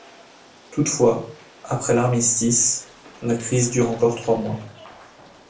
Toutefois, après l'armistice, la crise dure encore trois mois.